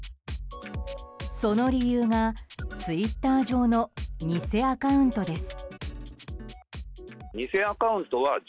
その理由がツイッター上の偽アカウントです。